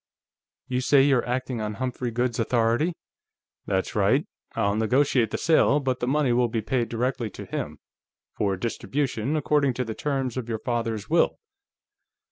"You say you're acting on Humphrey Goode's authority?" "That's right. I'll negotiate the sale, but the money will be paid directly to him, for distribution according to the terms of your father's will."